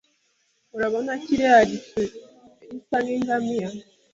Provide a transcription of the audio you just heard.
Urabona kiriya gicu gisa nkingamiya?